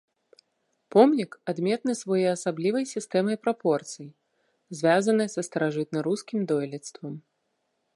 Помнік адметны своеасаблівай сістэмай прапорцый, звязанай са старажытна-рускім дойлідствам.